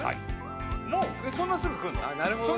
もうそんなすぐくるの？